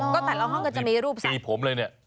ก็แต่ละห้องก็จะมีรูปสีผมเลยเนี่ย